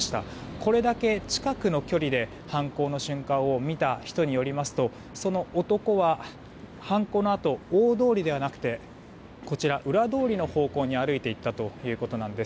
これだけ近くの距離で犯行の瞬間を見た人によりますとその男は犯行のあと大通りではなくてこちら、裏通りの方向に歩いて行ったということです。